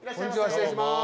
失礼します。